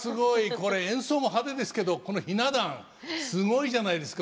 これ演奏も派手ですけどこのひな壇すごいじゃないですか！